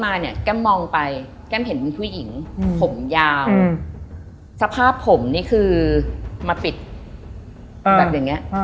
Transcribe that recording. มาปิดแบบอย่างเงี้ย